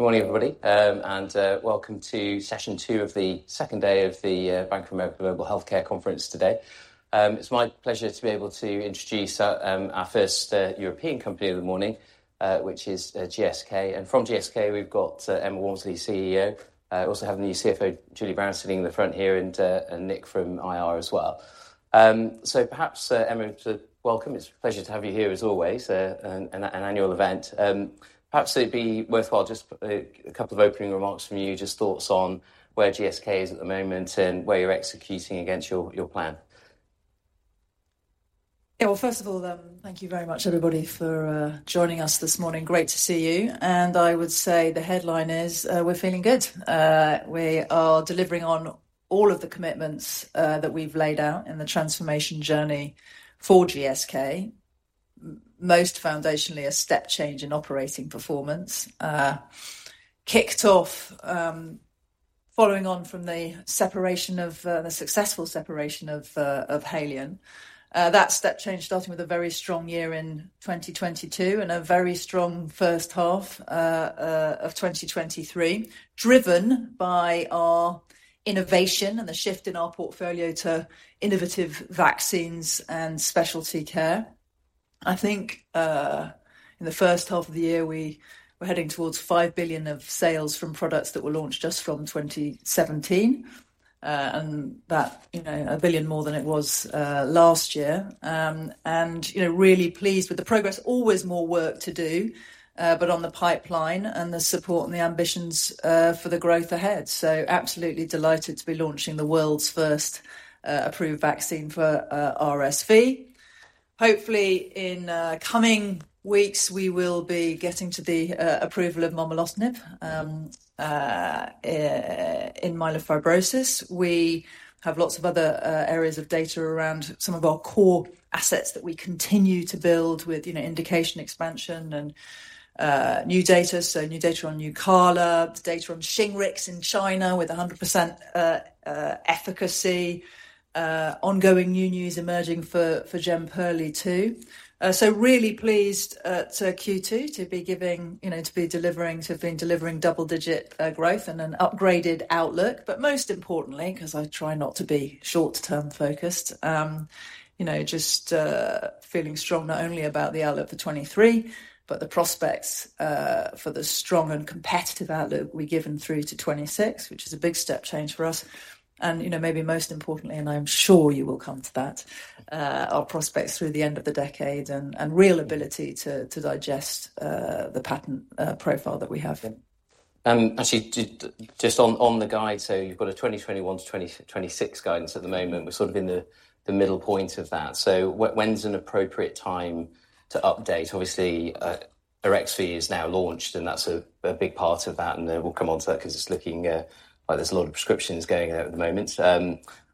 Good morning, everybody, and welcome to session two of the second day of the Bank of America Global Healthcare Conference today. It's my pleasure to be able to introduce our first European company of the morning, which is GSK. And from GSK, we've got Emma Walmsley, CEO. We also have the new CFO, Julie Brown, sitting in the front here, and Nick from IR as well. So perhaps Emma, to welcome. It's a pleasure to have you here as always at an annual event. Perhaps it'd be worthwhile just a couple of opening remarks from you, just thoughts on where GSK is at the moment and where you're executing against your plan. Yeah, well, first of all, thank you very much, everybody, for joining us this morning. Great to see you. I would say the headline is, we're feeling good. We are delivering on all of the commitments that we've laid out in the transformation journey for GSK. Most foundationally, a step change in operating performance kicked off following on from the successful separation of Haleon. That step change started with a very strong year in 2022 and a very strong first half of 2023, driven by our innovation and the shift in our portfolio to innovative vaccines and specialty care. I think, in the first half of the year, we were heading towards 5 billion of sales from products that were launched just from 2017, and that, you know, 1 billion more than it was, last year. And, you know, really pleased with the progress. Always more work to do, but on the pipeline and the support and the ambitions, for the growth ahead. So absolutely delighted to be launching the world's first, approved vaccine for, RSV. Hopefully, in, coming weeks, we will be getting to the, approval of momelotinib, in myelofibrosis. We have lots of other, areas of data around some of our core assets that we continue to build with, you know, indication, expansion, and, new data. So new data on Nucala, data on Shingrix in China with 100% efficacy, ongoing new news emerging for Jemperli too. So really pleased to Q2 to be giving, you know, to be delivering to have been delivering double-digit growth and an upgraded outlook. But most importantly, 'cause I try not to be short-term focused, you know, just feeling strong, not only about the outlook for 2023, but the prospects for the strong and competitive outlook we're given through to 2026, which is a big step change for us. And, you know, maybe most importantly, and I'm sure you will come to that, our prospects through the end of the decade and real ability to digest the patent profile that we have. Actually, just on the guide, so you've got a 2021-2026 guidance at the moment. We're sort of in the middle point of that. So when's an appropriate time to update? Obviously, Arexvy is now launched, and that's a big part of that, and we'll come on to that 'cause it's looking like there's a lot of prescriptions going out at the moment.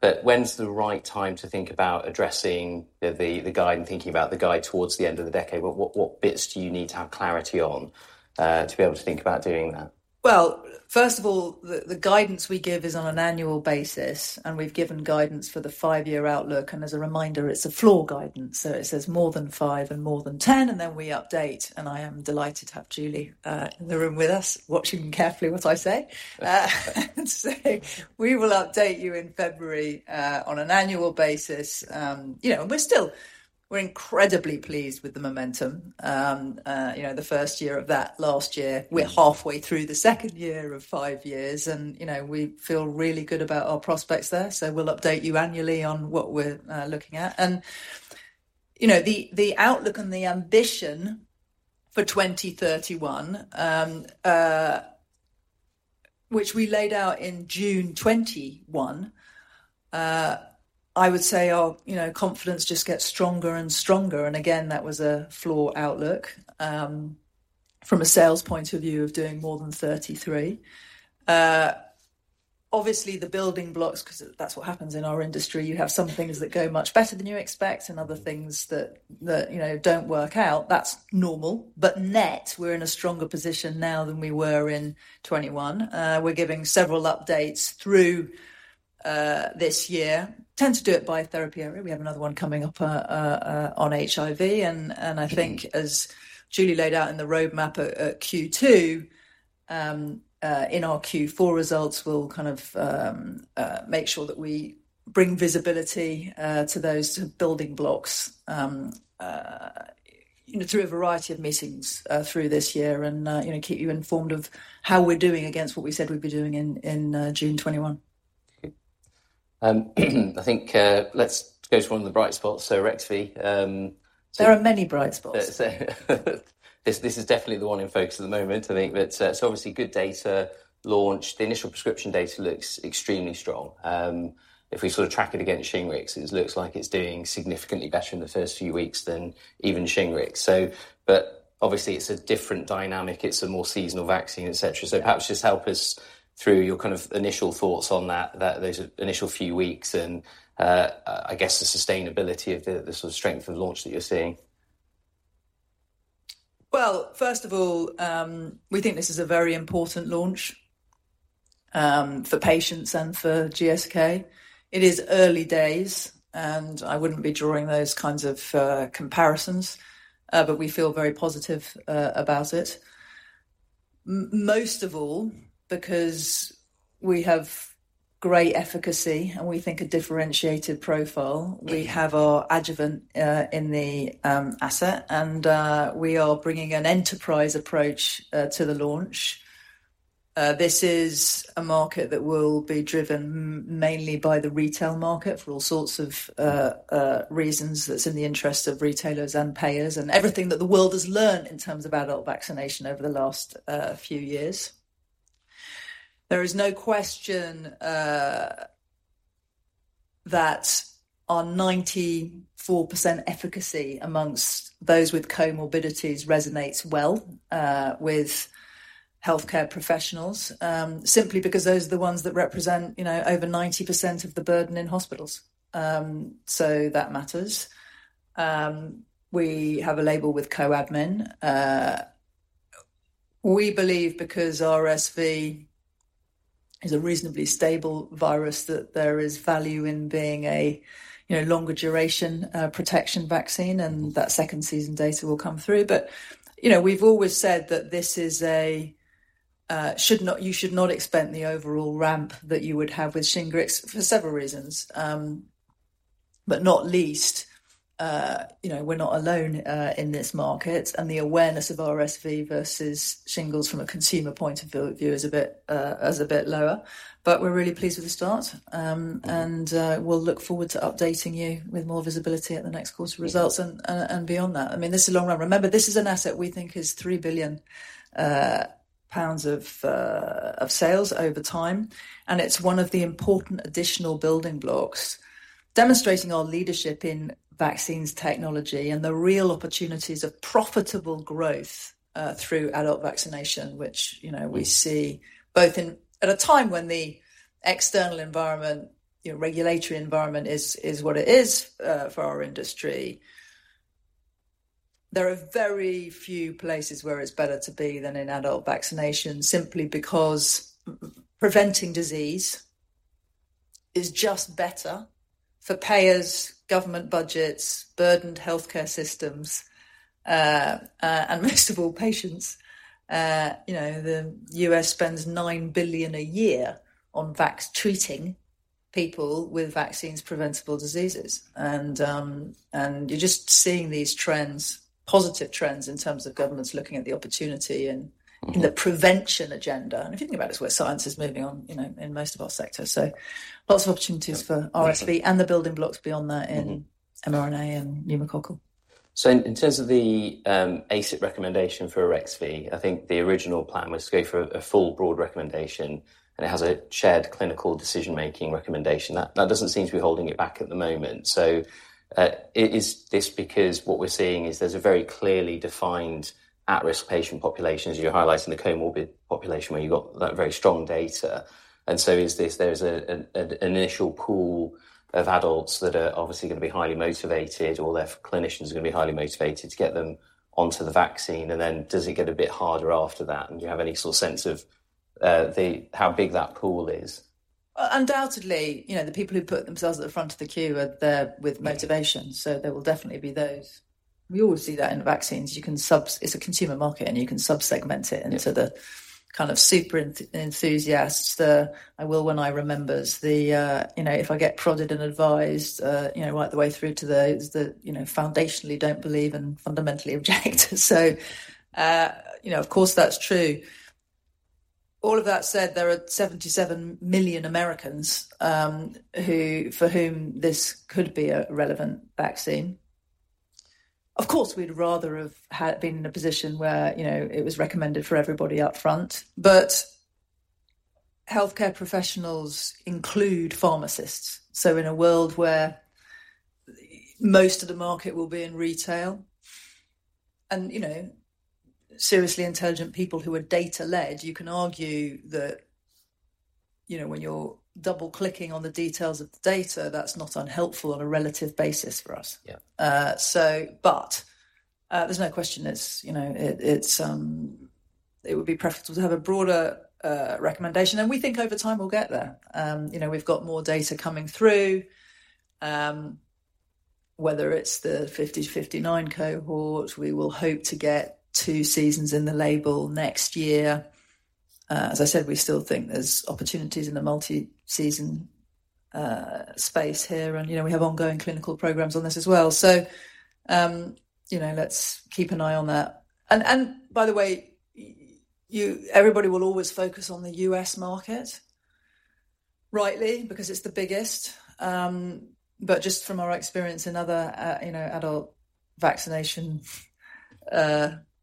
But when's the right time to think about addressing the guide and thinking about the guide towards the end of the decade? What bits do you need to have clarity on to be able to think about doing that? Well, first of all, the guidance we give is on an annual basis, and we've given guidance for the five-year outlook. As a reminder, it's a floor guidance, so it says more than five and more than 10, and then we update. I am delighted to have Julie in the room with us, watching carefully what I say. And so we will update you in February on an annual basis. You know, and we're still incredibly pleased with the momentum. You know, the first year of that, last year, we're halfway through the second year of five years, and, you know, we feel really good about our prospects there. So we'll update you annually on what we're looking at. You know, the outlook and the ambition for 2031, which we laid out in June 2021, I would say our confidence just gets stronger and stronger. And again, that was a floor outlook, from a sales point of view, of doing more than 33. Obviously, the building blocks, 'cause that's what happens in our industry, you have some things that go much better than you expect and other things that you know, don't work out. That's normal, but net, we're in a stronger position now than we were in 2021. We're giving several updates through this year. Tend to do it by therapy area. We have another one coming up on HIV. And I think as Julie laid out in the roadmap at Q2, in our Q4 results, we'll kind of make sure that we bring visibility to those building blocks, you know, through a variety of meetings through this year and, you know, keep you informed of how we're doing against what we said we'd be doSing in June 2021. I think, let's go to one of the bright spots, so Arexvy. There are many bright spots. This, this is definitely the one in focus at the moment. I think that, so obviously good data launch. The initial prescription data looks extremely strong. If we sort of track it against Shingrix, it looks like it's doing significantly better in the first few weeks than even Shingrix. So, but obviously, it's a different dynamic. It's a more seasonal vaccine, et cetera. Mm-hmm. So perhaps just help us through your kind of initial thoughts on that, those initial few weeks and, I guess, the sustainability of the sort of strength of launch that you're seeing. Well, first of all, we think this is a very important launch for patients and for GSK. It is early days, and I wouldn't be drawing those kinds of comparisons, but we feel very positive about it. Most of all, because we have great efficacy and we think a differentiated profile. We have our adjuvant in the asset, and we are bringing an enterprise approach to the launch. This is a market that will be driven mainly by the retail market for all sorts of reasons. That's in the interest of retailers and payers, and everything that the world has learned in terms of adult vaccination over the last few years. There is no question that our 94% efficacy among those with comorbidities resonates well with healthcare professionals simply because those are the ones that represent, you know, over 90% of the burden in hospitals. So that matters. We have a label with co-admin. We believe because RSV is a reasonably stable virus, that there is value in being a, you know, longer duration protection vaccine, and that second season data will come through. But, you know, we've always said that this is a... you should not expect the overall ramp that you would have with Shingrix for several reasons, but not least, you know, we're not alone in this market, and the awareness of RSV versus shingles from a consumer point of view is a bit lower. But we're really pleased with the start, and we'll look forward to updating you with more visibility at the next course of results and beyond that. I mean, this is a long run. Remember, this is an asset we think is 3 billion pounds of sales over time, and it's one of the important additional building blocks, demonstrating our leadership in vaccines technology and the real opportunities of profitable growth through adult vaccination, which, you know, we see both in... At a time when the external environment, you know, regulatory environment is what it is for our industry. There are very few places where it's better to be than in adult vaccination, simply because preventing disease is just better for payers, government budgets, burdened healthcare systems, and most of all, patients. You know, the U.S. spends $9 billion a year on vax, treating people with vaccine-preventable diseases. And you're just seeing these trends, positive trends in terms of governments looking at the opportunity and- Mm-hmm. the prevention agenda. If you think about it, it's where science is moving on, you know, in most of our sectors. So lots of opportunities for RSV- Mm-hmm. and the building blocks beyond that in Mm-hmm. mRNA and pneumococcal. So in terms of the ACIP recommendation for Arexvy, I think the original plan was to go for a full, broad recommendation, and it has a shared clinical decision-making recommendation. That doesn't seem to be holding it back at the moment. So, is this because what we're seeing is there's a very clearly defined at-risk patient population, as you're highlighting, the comorbid population, where you've got that very strong data. And so is this, there's an initial pool of adults that are obviously gonna be highly motivated, or their clinicians are gonna be highly motivated to get them onto the vaccine, and then does it get a bit harder after that? And do you have any sort of sense of how big that pool is? Undoubtedly, you know, the people who put themselves at the front of the queue are there with motivation, so there will definitely be those. We always see that in vaccines. You can. It's a consumer market, and you can sub-segment it. Mm-hmm. So the kind of super enthusiasts, the, "I will when I remembers," the, you know, "If I get prodded and advised," you know, right the way through to those that, you know, foundationally don't believe and fundamentally object. So, you know, of course, that's true. All of that said, there are 77 million Americans who for whom this could be a relevant vaccine. Of course, we'd rather have had been in a position where, you know, it was recommended for everybody up front, but healthcare professionals include pharmacists. So in a world where most of the market will be in retail, and, you know, seriously intelligent people who are data-led, you can argue that, you know, when you're double-clicking on the details of the data, that's not unhelpful on a relative basis for us. Yeah. So, but, there's no question it's, you know, it would be preferable to have a broader recommendation, and we think over time we'll get there. You know, we've got more data coming through. Whether it's the 50, 59 cohort, we will hope to get seasons in the label next year. As I said, we still think there's opportunities in the multi-season space here, and, you know, we have ongoing clinical programs on this as well. So, you know, let's keep an eye on that. And by the way, everybody will always focus on the U.S. market, rightly, because it's the biggest. But just from our experience in other, you know, adult vaccination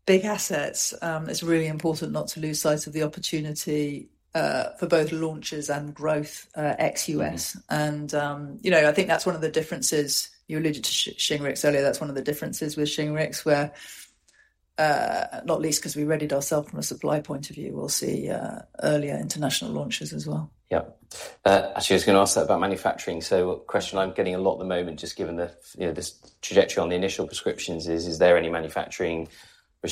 big assets, it's really important not to lose sight of the opportunity for both launches and growth ex-U.S. Mm-hmm. You know, I think that's one of the differences. You alluded to Shingrix earlier. That's one of the differences with Shingrix, where not least 'cause we readied ourself from a supply point of view, we'll see earlier international launches as well. Yep. Actually, I was going to ask that about manufacturing. So a question I'm getting a lot at the moment, just given the, you know, this trajectory on the initial prescriptions is, is there any manufacturing restraint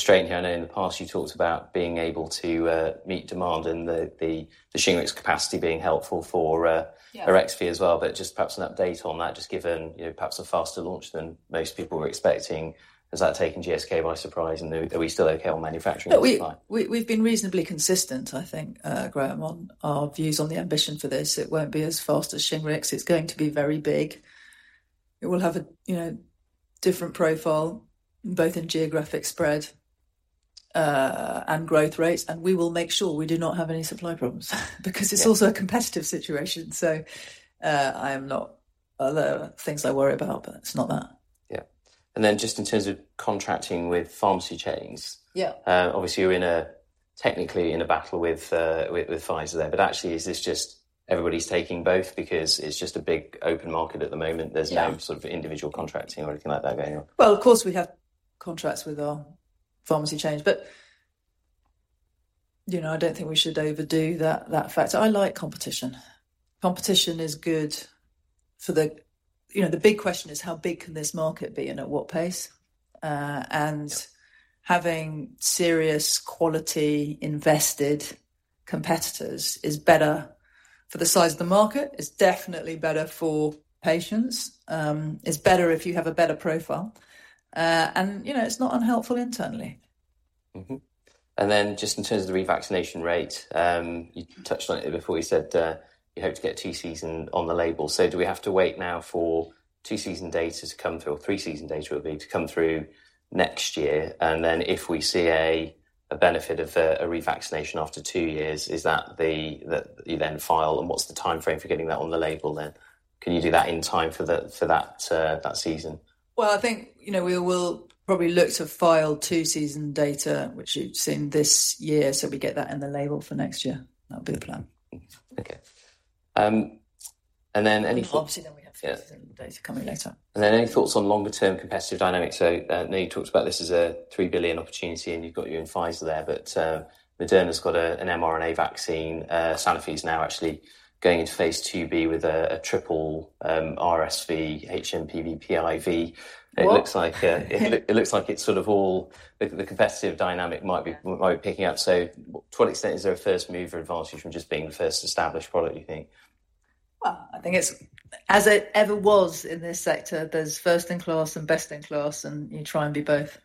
here? I know in the past you talked about being able to meet demand and the Shingrix capacity being helpful for— Yeah. Arexvy as well, but just perhaps an update on that, just given, you know, perhaps a faster launch than most people were expecting. Has that taken GSK by surprise, and are we, are we still okay on manufacturing supply? No, we've been reasonably consistent, I think, Graham, on our views on the ambition for this. It won't be as fast as Shingrix. It's going to be very big. It will have a, you know, different profile, both in geographic spread, and growth rates, and we will make sure we do not have any supply problems. Because it's also- Yeah... a competitive situation, so, I am not... Other things I worry about, but it's not that. Yeah. And then just in terms of contracting with pharmacy chains. Yeah. Obviously, you're in a, technically in a battle with Pfizer there, but actually, is this just everybody's taking both because it's just a big open market at the moment? Yeah... there's no sort of individual contracting or anything like that going on? Well, of course, we have contracts with our pharmacy chains, but, you know, I don't think we should overdo that, that fact. I like competition. Competition is good for the... You know, the big question is: How big can this market be, and at what pace? And having serious quality invested competitors is better for the size of the market, it's definitely better for patients, it's better if you have a better profile, and, you know, it's not unhelpful internally. Mm-hmm. And then just in terms of the revaccination rate, you touched on it before. You said you hope to get two-season on the label. So do we have to wait now for two-season data to come through, or three-season data it would be, to come through next year, and then if we see a benefit of a revaccination after two years, is that that you then file, and what's the timeframe for getting that on the label then? Can you do that in time for that season? Well, I think, you know, we will probably look to file two-season data, which you've seen this year, so we get that in the label for next year. That would be the plan. Okay. And then any- Obviously, then we have- Yeah... data coming later. And then any thoughts on longer-term competitive dynamics? So, Nate talked about this as a 3 billion opportunity, and you've got you and Pfizer there, but Moderna's got a, an mRNA vaccine. Sanofi is now actually going into phase II-B with a, a triple, RSV, HMPV, PIV. What? It looks like it's sort of all, the competitive dynamic might be- Yeah... might be picking up. So to what extent is there a first-mover advantage from just being the first established product, you think? Well, I think it's, as it ever was in this sector, there's first in class and best in class, and you try and be both.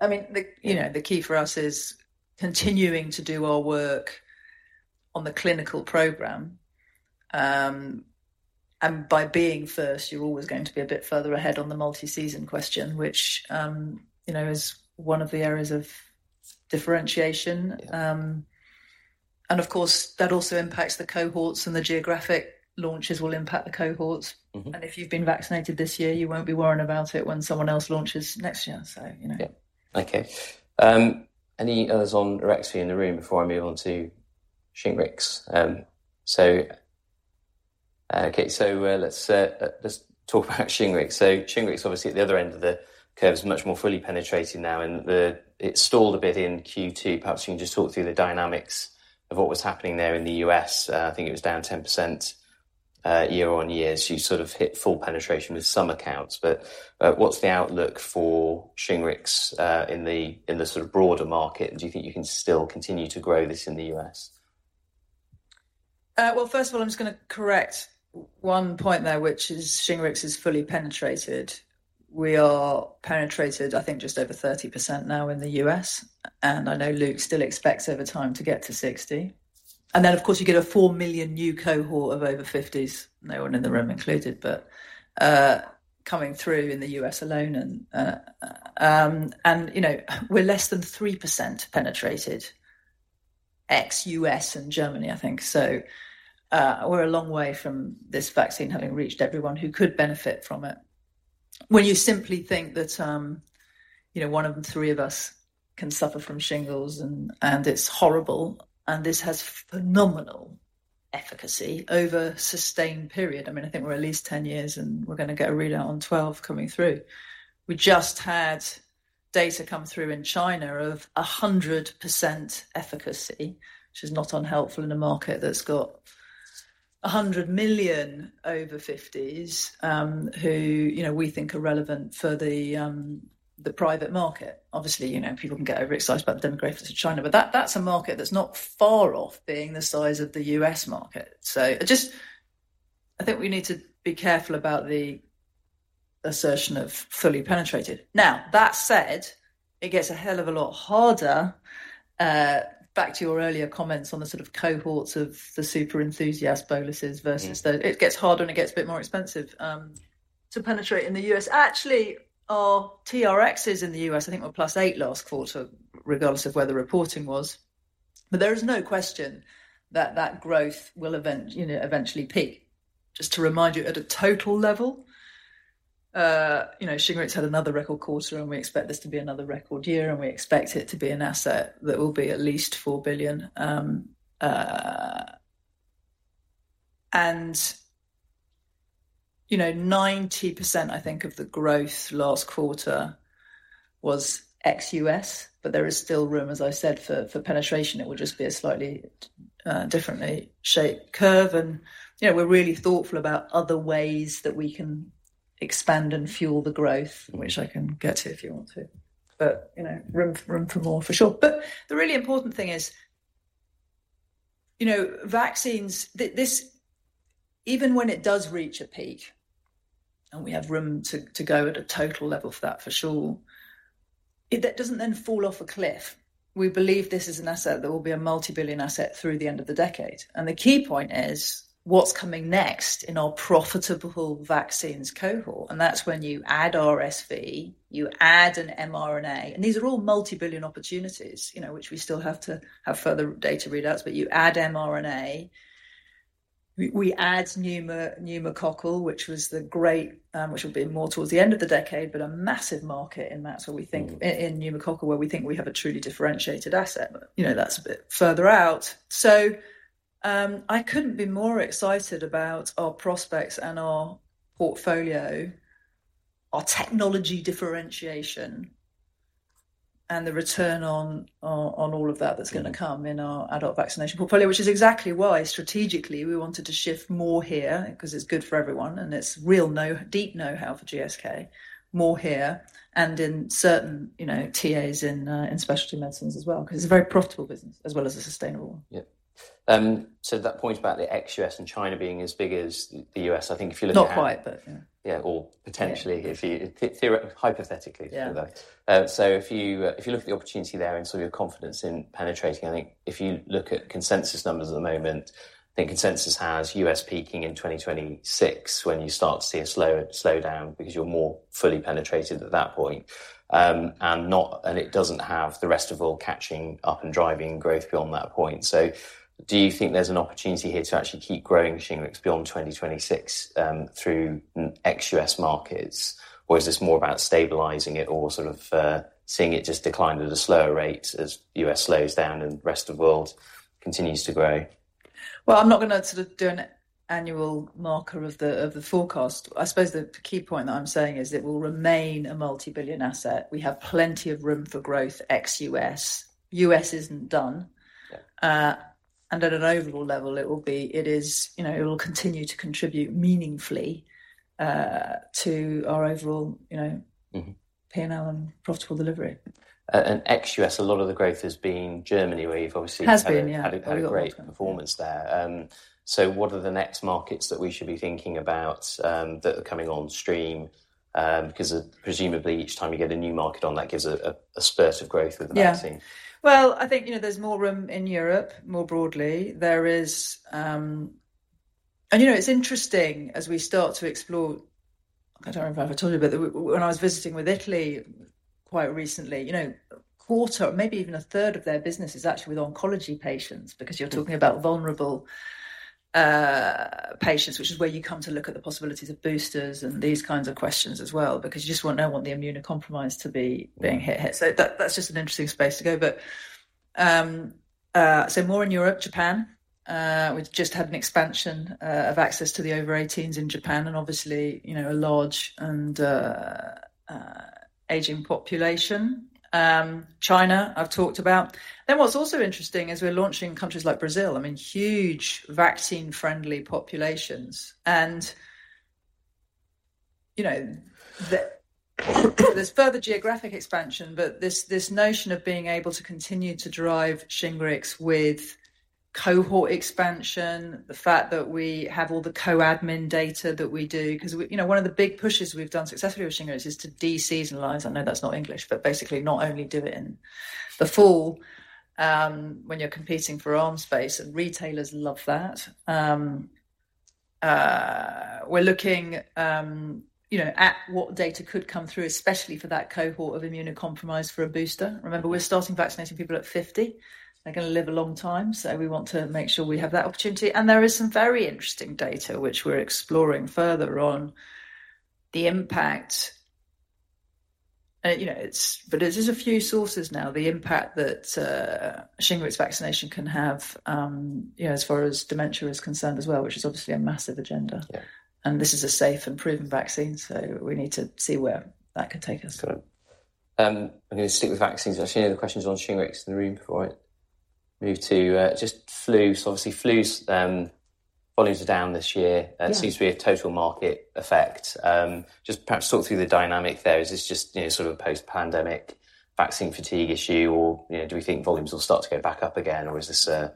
I mean, you know, the key for us is continuing to do our work on the clinical program. And by being first, you're always going to be a bit further ahead on the multi-season question, which, you know, is one of the areas of differentiation. Yeah. Of course, that also impacts the cohorts, and the geographic launches will impact the cohorts. Mm-hmm. If you've been vaccinated this year, you won't be worrying about it when someone else launches next year, so you know. Yeah. Okay. Any others on Arexvy in the room before I move on to Shingrix? Okay, so, let's, let's talk about Shingrix. So Shingrix, obviously at the other end of the curve, is much more fully penetrated now, and it stalled a bit in Q2. Perhaps you can just talk through the dynamics of what was happening there in the U.S. I think it was down 10%, year-on-year, so you sort of hit full penetration with some accounts. But, what's the outlook for Shingrix, in the, in the sort of broader market? Do you think you can still continue to grow this in the U.S.? Well, first of all, I'm just gonna correct one point there, which is Shingrix is fully penetrated. We are penetrated, I think, just over 30% now in the U.S., and I know Luke still expects over time to get to 60%. And then, of course, you get a 4 million new cohort of over 50s, no one in the room included, but coming through in the U.S. alone. And you know, we're less than 3% penetrated, ex-U.S. and Germany, I think. So we're a long way from this vaccine having reached everyone who could benefit from it. When you simply think that, you know, one of the three of us can suffer from shingles, and it's horrible, and this has phenomenal efficacy over a sustained period. I mean, I think we're at least 10 years, and we're gonna get a readout on 12 coming through. We just had data come through in China of 100% efficacy, which is not unhelpful in a market that's got 100 million over 50s, who, you know, we think are relevant for the private market. Obviously, you know, people can get overexcited about the demographics of China, but that, that's a market that's not far off being the size of the U.S. market. So I just- I think we need to be careful about the assertion of fully penetrated. Now, that said, it gets a hell of a lot harder, back to your earlier comments on the sort of cohorts of the super enthusiast boluses versus- Mm-hmm. It gets harder, and it gets a bit more expensive, to penetrate in the U.S. Actually, our TRXs in the U.S., I think, were +8% last quarter, regardless of where the reporting was. But there is no question that that growth will even, you know, eventually peak. Just to remind you, at a total level, you know, Shingrix had another record quarter, and we expect this to be another record year, and we expect it to be an asset that will be at least 4 billion, you know, 90%, I think, of the growth last quarter was ex-U.S., but there is still room, as I said, for penetration. It will just be a slightly, differently shaped curve. You know, we're really thoughtful about other ways that we can expand and fuel the growth, which I can get to if you want to. But, you know, room for more, for sure. But the really important thing is, you know, vaccines, this even when it does reach a peak, and we have room to go at a total level for that, for sure, that doesn't then fall off a cliff. We believe this is an asset that will be a multi-billion asset through the end of the decade. And the key point is, what's coming next in our profitable vaccines cohort? And that's when you add RSV, you add an mRNA, and these are all multi-billion opportunities, you know, which we still have to have further data readouts, but you add mRNA. We add pneumococcal, which was the great, which will be more towards the end of the decade, but a massive market, and that's where we think- Mm. in pneumococcal, where we think we have a truly differentiated asset. But, you know, that's a bit further out. So, I couldn't be more excited about our prospects and our portfolio, our technology differentiation, and the return on all of that that's gonna come in our adult vaccination portfolio. Which is exactly why, strategically, we wanted to shift more here, 'cause it's good for everyone, and it's real deep know-how for GSK, more here and in certain, you know, TAs in specialty medicines as well, 'cause it's a very profitable business as well as a sustainable one. Yeah. So that point about the ex-U.S. and China being as big as the U.S., I think if you look at- Not quite, but yeah. Yeah, or potentially, if you hypothetically, rather. Yeah. .So if you, if you look at the opportunity there and sort of your confidence in penetrating, I think if you look at consensus numbers at the moment, I think consensus has U.S. peaking in 2026, when you start to see a slower slowdown because you're more fully penetrated at that point. And it doesn't have the rest of all catching up and driving growth beyond that point. So do you think there's an opportunity here to actually keep growing Shingrix beyond 2026, through ex-U.S. markets? Or is this more about stabilizing it or sort of, seeing it just decline at a slower rate as U.S. slows down and the rest of the world continues to grow? Well, I'm not gonna sort of do an annual marker of the forecast. I suppose the key point that I'm saying is it will remain a multi-billion asset. We have plenty of room for growth, ex-U.S. U.S. isn't done. Yeah. At an overall level, it is, you know, it will continue to contribute meaningfully to our overall, you know... Mm-hmm... P&L and profitable delivery. And ex-U.S., a lot of the growth has been Germany, where you've obviously. Has been, yeah.... had a great performance there. So what are the next markets that we should be thinking about that are coming on stream? Because presumably, each time you get a new market on, that gives a spurt of growth with the vaccine. Yeah. Well, I think, you know, there's more room in Europe, more broadly. There is... And, you know, it's interesting as we start to explore. I don't remember if I told you about it, when I was visiting with Italy quite recently, you know, a quarter, maybe even a third of their business is actually with oncology patients, because you're talking about vulnerable patients, which is where you come to look at the possibilities of boosters and these kinds of questions as well, because you just won't know what the immunocompromised to be being hit. So that, that's just an interesting space to go. But, so more in Europe, Japan, we've just had an expansion of access to the over eighteens in Japan, and obviously, you know, a large and aging population. China, I've talked about. Then what's also interesting is we're launching in countries like Brazil. I mean, huge vaccine-friendly populations. And, you know, there's further geographic expansion, but this, this notion of being able to continue to drive Shingrix with cohort expansion, the fact that we have all the co-admin data that we do, 'cause we-- you know, one of the big pushes we've done successfully with Shingrix is to de-seasonalize. I know that's not English, but basically not only do it in the fall, when you're competing for arm space, and retailers love that. We're looking, you know, at what data could come through, especially for that cohort of immunocompromised for a booster. Remember, we're starting vaccinating people at 50. They're gonna live a long time, so we want to make sure we have that opportunity. There is some very interesting data which we're exploring further on the impact... you know, it's, but there's a few sources now, the impact that Shingrix vaccination can have, you know, as far as dementia is concerned as well, which is obviously a massive agenda. Yeah. This is a safe and proven vaccine, so we need to see where that could take us. Got it. I'm going to stick with vaccines. I've seen the questions on Shingrix in the room before I move to just flu. So obviously, flu's volumes are down this year- Yeah... and seems to be a total market effect. Just perhaps talk through the dynamic there. Is this just, you know, sort of a post-pandemic vaccine fatigue issue, or, you know, do we think volumes will start to go back up again, or is this a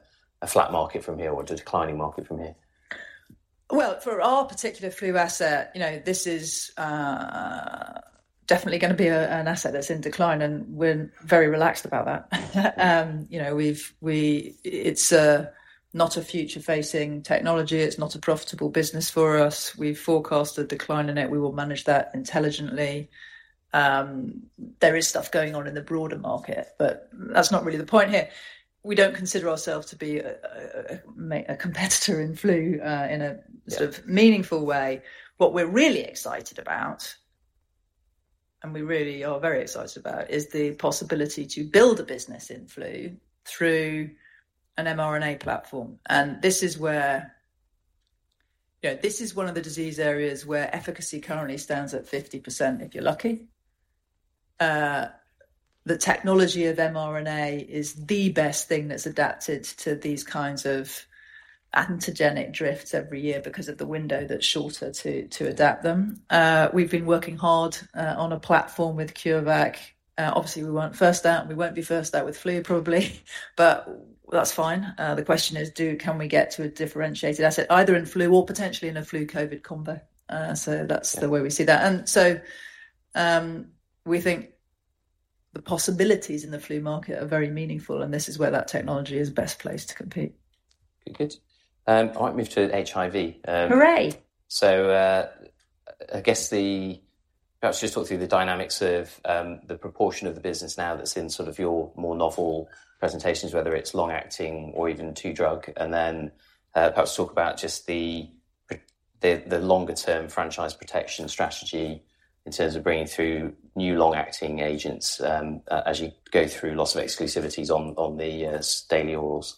flat market from here or a declining market from here? Well, for our particular flu asset, you know, this is definitely gonna be an asset that's in decline, and we're very relaxed about that. You know, it's not a future-facing technology. It's not a profitable business for us. We forecast a decline in it. We will manage that intelligently. There is stuff going on in the broader market, but that's not really the point here. We don't consider ourselves to be a competitor in flu, in a sort of- Yeah... meaningful way. What we're really excited about, and we really are very excited about, is the possibility to build a business in flu through an mRNA platform. And this is where, you know, this is one of the disease areas where efficacy currently stands at 50%, if you're lucky. The technology of mRNA is the best thing that's adapted to these kinds of antigenic drifts every year because of the window that's shorter to adapt them. We've been working hard on a platform with CureVac. Obviously, we weren't first out, and we won't be first out with flu, probably, but that's fine. The question is, can we get to a differentiated asset, either in flu or potentially in a flu COVID combo? So that's- Yeah. the way we see that. And so, we think the possibilities in the flu market are very meaningful, and this is where that technology is best placed to compete. Good, good. I want to move to HIV. Hooray! So, I guess perhaps just talk through the dynamics of the proportion of the business now that's in sort of your more novel presentations, whether it's long-acting or even two-drug, and then perhaps talk about just the longer-term franchise protection strategy in terms of bringing through new long-acting agents as you go through lots of exclusivities on the daily orals.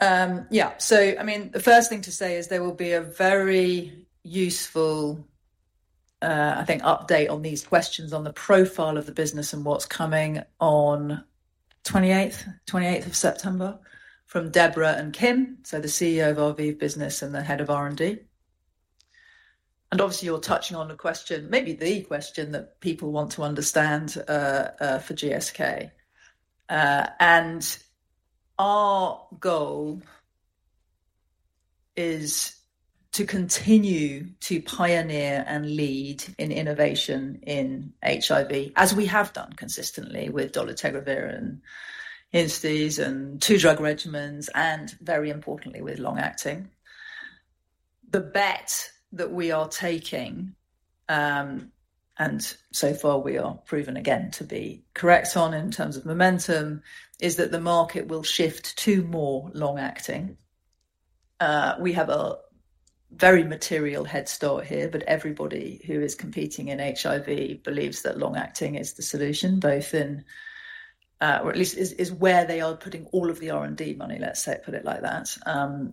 Yeah. So, I mean, the first thing to say is there will be a very useful, I think, update on these questions on the profile of the business and what's coming on 28th, 28th of September from Deborah and Kim, so the CEO of [ViiV] business and the head of R&D. And obviously, you're touching on a question, maybe the question that people want to understand, for GSK. And our goal is to continue to pioneer and lead in innovation in HIV, as we have done consistently with dolutegravir and INSTIs and two-drug regimens, and very importantly, with long-acting. The bet that we are taking, and so far we are proven again to be correct on in terms of momentum, is that the market will shift to more long-acting. We have a very material head start here, but everybody who is competing in HIV believes that long-acting is the solution, both in, or at least is where they are putting all of the R&D money, let's say, put it like that.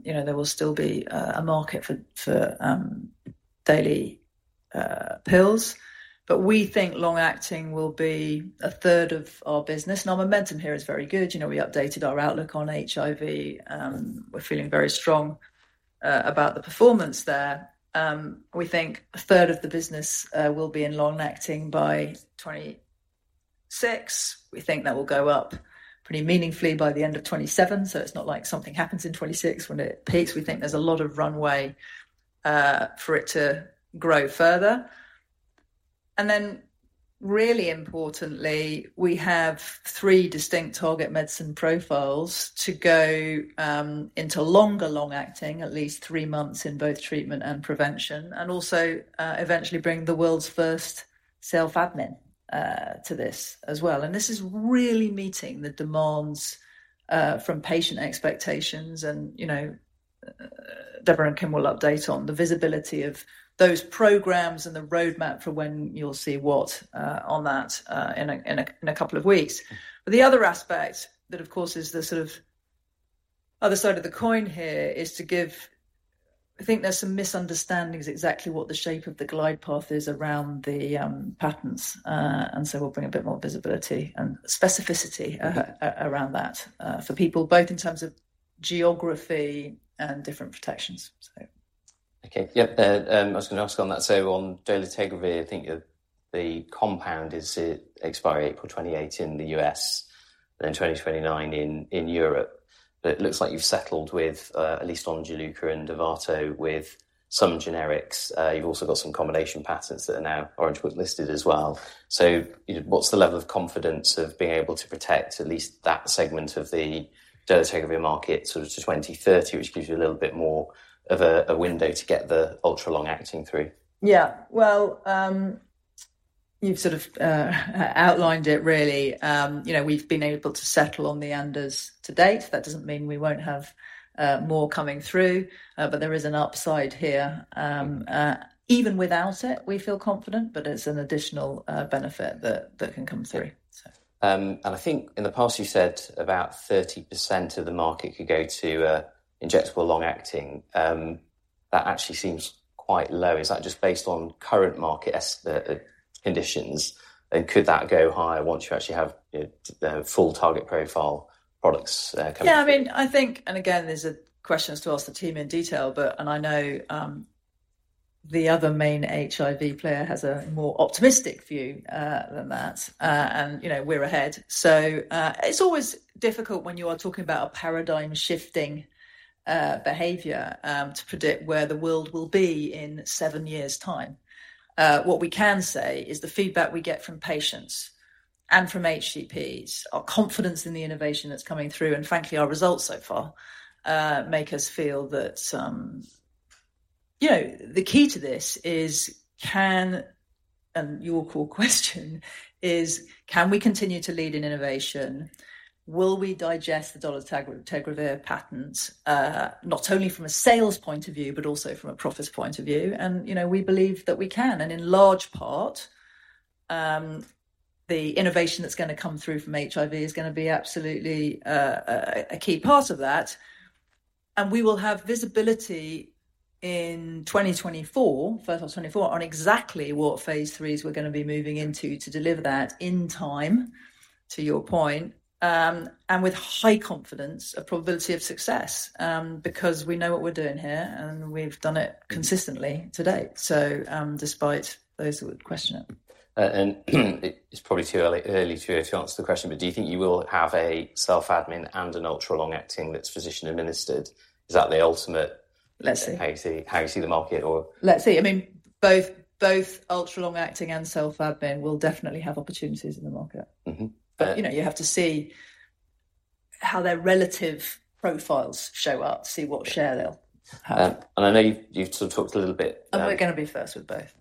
You know, there will still be a market for daily pills, but we think long-acting will be a third of our business. And our momentum here is very good. You know, we updated our outlook on HIV, we're feeling very strong about the performance there. We think a third of the business will be in long-acting by 2026. We think that will go up pretty meaningfully by the end of 2027, so it's not like something happens in 2026 when it peaks. We think there's a lot of runway for it to grow further. And then, really importantly, we have three distinct target medicine profiles to go into longer long-acting, at least three months in both treatment and prevention, and also eventually bring the world's first self-admin to this as well. And this is really meeting the demands from patient expectations and, you know, Deborah and Kim will update on the visibility of those programs and the roadmap for when you'll see what on that in a couple of weeks. But the other aspect that, of course, is the sort of other side of the coin here is to give. I think there's some misunderstandings exactly what the shape of the glide path is around the patents, and so we'll bring a bit more visibility and specificity around that for people, both in terms of geography and different protections. So. Okay, yep. I was going to ask on that. So on dolutegravir, I think the compound is to expire April 2028 in the U.S., and then 2029 in Europe. But it looks like you've settled with at least on Juluca and Dovato, with some generics. You've also got some combination patents that are now Orange Book-listed as well. So what's the level of confidence of being able to protect at least that segment of the dolutegravir market sort of to 2030, which gives you a little bit more of a window to get the ultra-long-acting through? Yeah. Well, you've sort of outlined it really. You know, we've been able to settle on the [ANDAs]to date. That doesn't mean we won't have more coming through, but there is an upside here. Even without it, we feel confident, but it's an additional benefit that can come through. So. And I think in the past, you said about 30% of the market could go to injectable long-acting. That actually seems quite low. Is that just based on current market conditions, and could that go higher once you actually have the full target profile products coming through? Yeah, I mean, I think, and again, these are questions to ask the team in detail, but and I know, the other main HIV player has a more optimistic view than that. And, you know, we're ahead. So, it's always difficult when you are talking about a paradigm-shifting behavior to predict where the world will be in seven years' time. What we can say is the feedback we get from patients and from HCPs, our confidence in the innovation that's coming through, and frankly, our results so far make us feel that... You know, the key to this is can and your core question is: Can we continue to lead in innovation? Will we digest the dolutegravir patents not only from a sales point of view, but also from a profits point of view? You know, we believe that we can. In large part, the innovation that's gonna come through from HIV is gonna be absolutely a key part of that. We will have visibility in 2024, first of 2024, on exactly what phase IIIs we're gonna be moving into to deliver that in time, to your point, and with high confidence, a probability of success, because we know what we're doing here, and we've done it consistently to date. So, despite those who would question it. And it's probably too early to answer the question, but do you think you will have a self-admin and an ultra long-acting that's physician-administered? Is that the ultimate- Let's see. How you see the market or? Let's see. I mean, both, both ultra long-acting and self-admin will definitely have opportunities in the market. Mm-hmm. Uh- You know, you have to see how their relative profiles show up to see what share they'll have. And I know you've sort of talked a little bit about- We're gonna be first with both.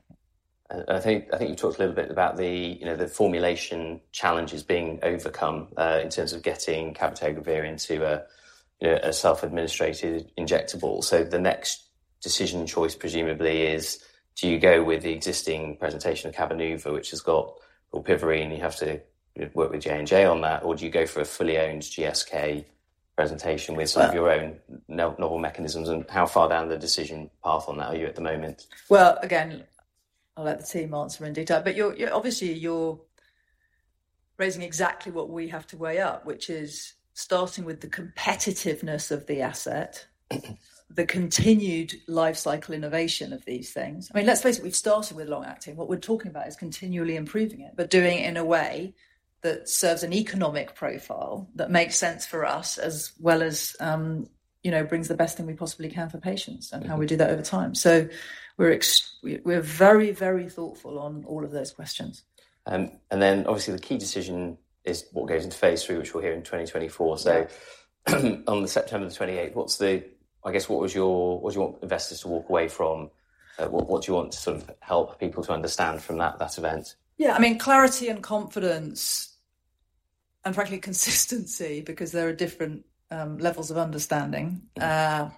I think you talked a little bit about the, you know, the formulation challenges being overcome, in terms of getting cabotegravir into a, you know, a self-administered injectable. So the next decision choice, presumably is, do you go with the existing presentation of CABENUVA, which has got rilpivirine, you have to work with J&J on that? Or do you go for a fully owned GSK presentation- Well- with some of your own novel mechanisms? And how far down the decision path on that are you at the moment? Well, again, I'll let the team answer in detail, but you're obviously raising exactly what we have to weigh up, which is starting with the competitiveness of the asset- Mm-hmm... the continued lifecycle innovation of these things. I mean, let's face it, we've started with long-acting. What we're talking about is continually improving it, but doing it in a way that serves an economic profile that makes sense for us as well as, you know, brings the best thing we possibly can for patients- Mm-hmm and how we do that over time. So we're very, very thoughtful on all of those questions. And then, obviously, the key decision is what goes into phase III, which we'll hear in 2024. Yeah. So on September 28, what's the, I guess, what was your, what do you want investors to walk away from? What, what do you want to sort of help people to understand from that, that event? Yeah, I mean, clarity and confidence, and frankly, consistency, because there are different levels of understanding- Mm-hmm...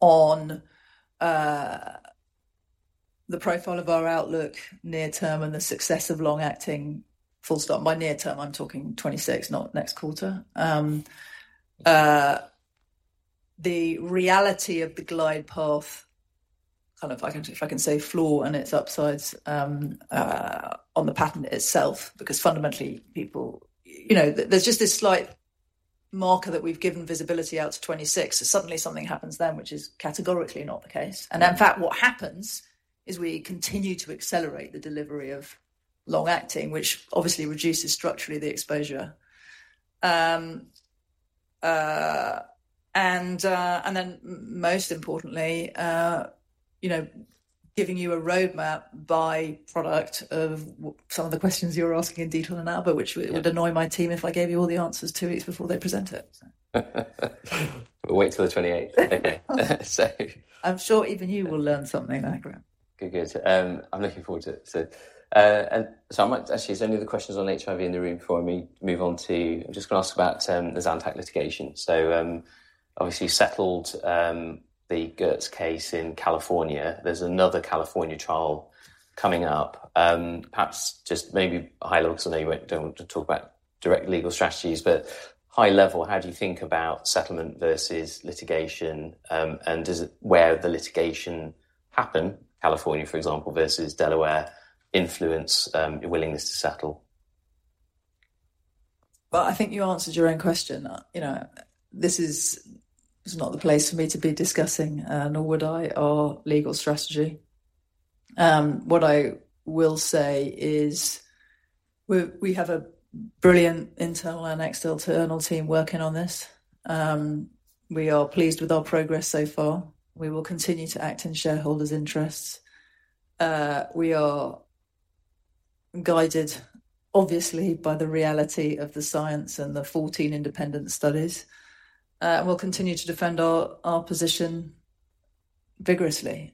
on the profile of our outlook near term and the success of long-acting, full stop. By near term, I'm talking 2026, not next quarter. The reality of the glide path, kind of if I can, if I can say floor and its upsides, on the patent itself, because fundamentally, people... You know, there's just this slight marker that we've given visibility out to 2026, so suddenly something happens then, which is categorically not the case. Yeah. In fact, what happens is we continue to accelerate the delivery of long-acting, which obviously reduces structurally the exposure. And then most importantly, you know, giving you a roadmap by product of some of the questions you're asking in detail now, but which would- Mm-hmm... annoy my team if I gave you all the answers two weeks before they present it. We'll wait till the 28th. Okay. So... I'm sure even you will learn something, I agree. Good, good. I'm looking forward to it. So, and so I might - actually, is there any other questions on HIV in the room before we move on to... I'm just gonna ask about the Zantac litigation. So, obviously, you settled the Goetz case in California. There's another California trial coming up. Perhaps just maybe high level, because I know you don't want to talk about direct legal strategies, but high level, how do you think about settlement versus litigation? And does it, where the litigation happen, California, for example, versus Delaware, influence your willingness to settle? Well, I think you answered your own question. You know, this is, it's not the place for me to be discussing, nor would I, our legal strategy. What I will say is we, we have a brilliant internal and external team working on this. We are pleased with our progress so far. We will continue to act in shareholders' interests. We are guided, obviously, by the reality of the science and the 14 independent studies, and we'll continue to defend our, our position vigorously.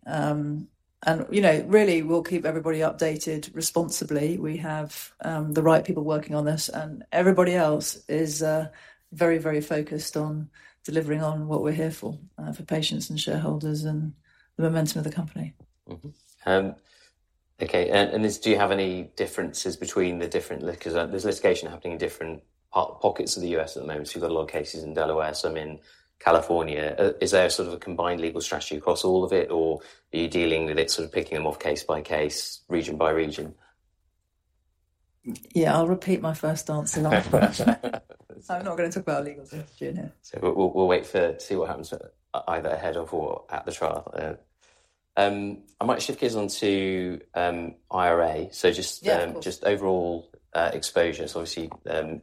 And, you know, really, we'll keep everybody updated responsibly. We have, the right people working on this, and everybody else is, very, very focused on delivering on what we're here for, for patients and shareholders and the momentum of the company. Mm-hmm. Okay, and this, do you have any differences between the different... Because there's litigation happening in different parts, pockets of the U.S. at the moment. So you've got a lot of cases in Delaware, some in California. Is there a sort of a combined legal strategy across all of it, or are you dealing with it sort of picking them off case by case, region by region? Yeah, I'll repeat my first answer to that question. So I'm not gonna talk about legal strategy in here. So we'll wait to see what happens either ahead of or at the trial. I might shift gears on to IRA. Yeah, of course. So just overall exposure. So obviously,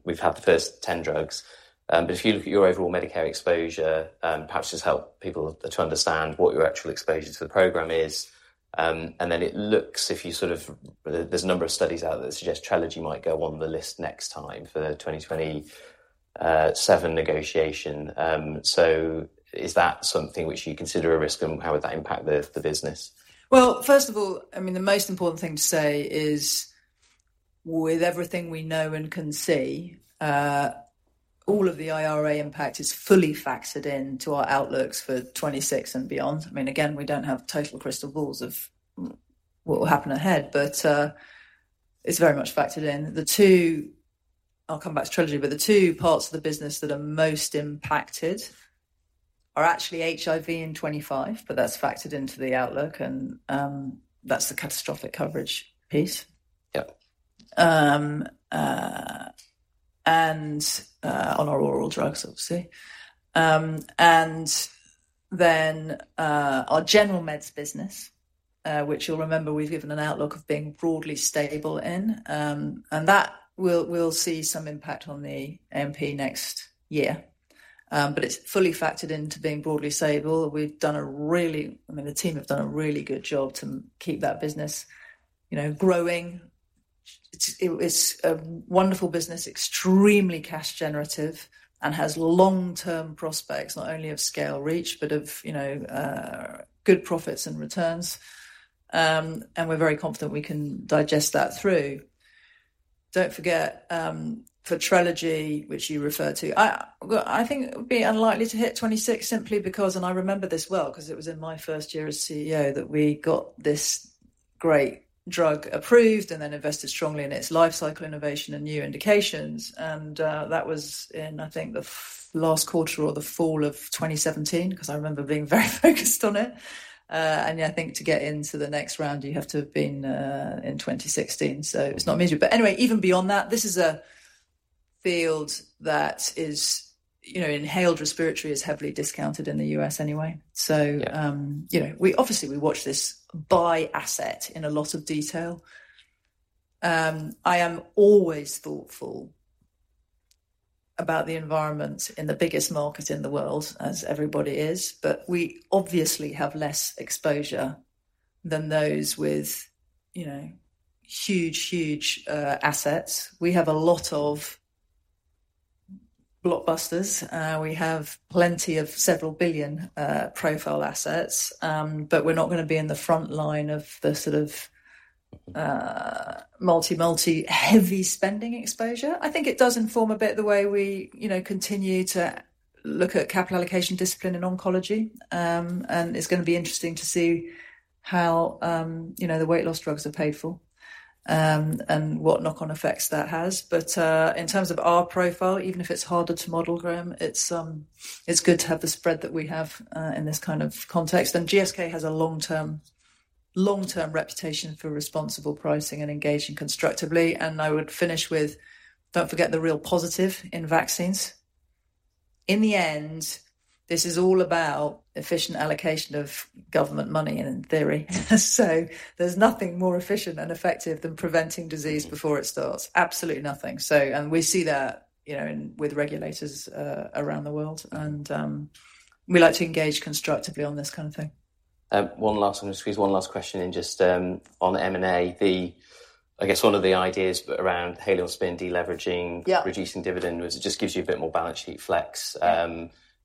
we've had the first 10 drugs, but if you look at your overall Medicare exposure, perhaps just help people to understand what your actual exposure to the program is. And then it looks, if you sort of, there's a number of studies out that suggest Trelegy might go on the list next time for the 2027 negotiation. So is that something which you consider a risk, and how would that impact the business? Well, first of all, I mean, the most important thing to say is, with everything we know and can see, all of the IRA impact is fully factored into our outlooks for 2026 and beyond. I mean, again, we don't have total crystal balls of what will happen ahead, but, it's very much factored in. The two-- I'll come back to Trelegy, but the two parts of the business that are most impacted are actually HIV in 2025, but that's factored into the outlook and, that's the catastrophic coverage piece. Yeah. And on our oral drugs, obviously. And then our general meds business, which you'll remember we've given an outlook of being broadly stable in, and that will see some impact on the MP next year. But it's fully factored into being broadly stable. We've done a really—I mean, the team have done a really good job to keep that business, you know, growing. It was a wonderful business, extremely cash generative, and has long-term prospects, not only of scale reach, but of, you know, good profits and returns. And we're very confident we can digest that through. Don't forget, for Trelegy, which you referred to, I, well, I think it would be unlikely to hit 26 simply because, and I remember this well, 'cause it was in my first year as CEO, that we got this great drug approved and then invested strongly in its lifecycle innovation and new indications. And, that was in, I think, the last quarter or the fall of 2017, 'cause I remember being very focused on it. And I think to get into the next round, you have to have been, in 2016, so it's not major. But anyway, even beyond that, this is a field that is, you know, inhaled respiratory is heavily discounted in the U.S. anyway. Yeah. So, you know, we obviously watch this by asset in a lot of detail. I am always thoughtful about the environment in the biggest market in the world, as everybody is, but we obviously have less exposure than those with, you know, huge, huge assets. We have a lot of blockbusters. We have plenty of several billion profile assets, but we're not gonna be in the front line of the sort of multi-multi, heavy spending exposure. I think it does inform a bit the way we, you know, continue to look at capital allocation, discipline, and oncology. And it's gonna be interesting to see how, you know, the weight loss drugs are paid for, and what knock-on effects that has. But, in terms of our profile, even if it's harder to model, Graham, it's, it's good to have the spread that we have, in this kind of context. And GSK has a long-term, long-term reputation for responsible pricing and engaging constructively. And I would finish with, don't forget the real positive in vaccines. In the end, this is all about efficient allocation of government money, in theory. So there's nothing more efficient and effective than preventing disease- Mm-hmm. Before it starts. Absolutely nothing. So, and we see that, you know, in with regulators around the world, and we like to engage constructively on this kind of thing. One last, I'm gonna squeeze one last question in just, on M&A. The—I guess one of the ideas around Haleon spin, deleveraging- Yeah. -reducing dividend, was it just gives you a bit more balance sheet flex,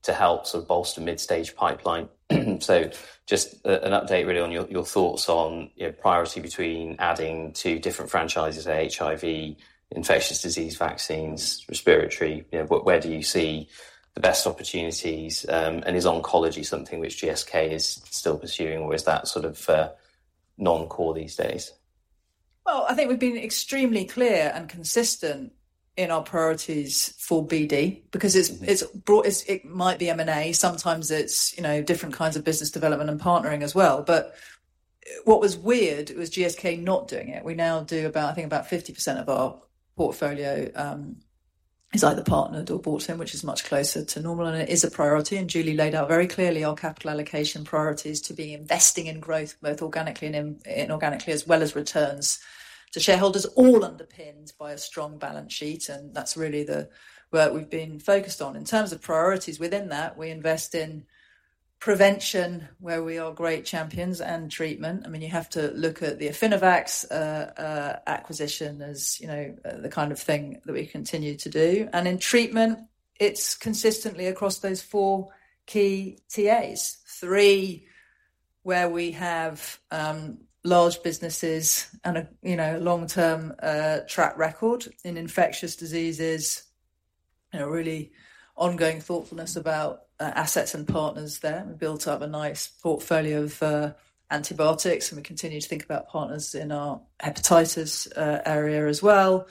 to help sort of bolster mid-stage pipeline. So just, an update really on your, your thoughts on, you know, priority between adding two different franchises, HIV, infectious disease, vaccines, respiratory, you know, where do you see the best opportunities? And is oncology something which GSK is still pursuing, or is that sort of, non-core these days? Well, I think we've been extremely clear and consistent in our priorities for BD, because it's- Mm-hmm. It's brought us. It might be M&A, sometimes it's, you know, different kinds of business development and partnering as well. But what was weird was GSK not doing it. We now do about, I think, about 50% of our portfolio is either partnered or brought in, which is much closer to normal, and it is a priority. And Julie laid out very clearly our capital allocation priorities to be investing in growth, both organically and in, and inorganically, as well as returns to shareholders, all underpinned by a strong balance sheet, and that's really the work we've been focused on. In terms of priorities within that, we invest in prevention, where we are great champions, and treatment. I mean, you have to look at the Affinivax acquisition as, you know, the kind of thing that we continue to do. In treatment, it's consistently across those four key TAs. Three, where we have, you know, large businesses and a, long-term, track record in infectious diseases, a really ongoing thoughtfulness about, assets and partners there. We built up a nice portfolio for antibiotics, and we continue to think about partners in our hepatitis, area as well.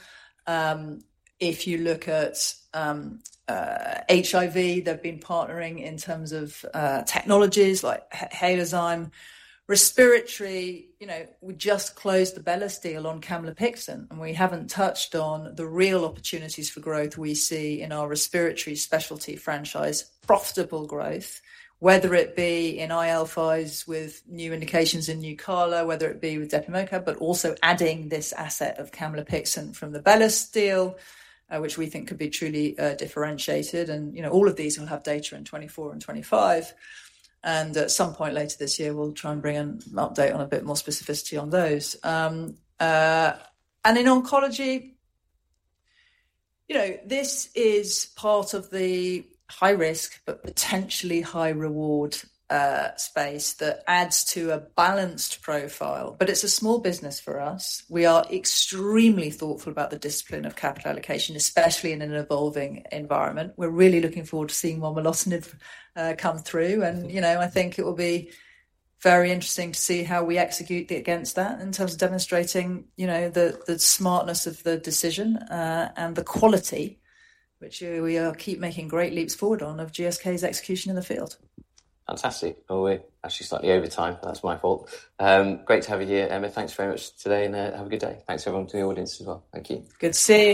If you look at, HIV, they've been partnering in terms of, technologies like Halozyme. Respiratory, you know, we just closed the Bellus deal on camlipixant, and we haven't touched on the real opportunities for growth we see in our respiratory specialty franchise, profitable growth. Whether it be in IL-5s with new indications in Nucala, whether it be with depimeoca, but also adding this asset of camlipixant from the Bellus deal, which we think could be truly, differentiated. You know, all of these will have data in 2024 and 2025, and at some point later this year, we'll try and bring an update on a bit more specificity on those. And in oncology, you know, this is part of the high risk, but potentially high reward, space that adds to a balanced profile, but it's a small business for us. We are extremely thoughtful about the discipline of capital allocation, especially in an evolving environment. We're really looking forward to seeing momelotinib come through, and, you know, I think it will be very interesting to see how we execute against that in terms of demonstrating, you know, the, the smartness of the decision, and the quality, which we, we, keep making great leaps forward on of GSK's execution in the field. Fantastic. Well, we're actually slightly over time. That's my fault. Great to have you here, Emma. Thanks very much today, and have a good day. Thanks, everyone, to the audience as well. Thank you. Good to see you!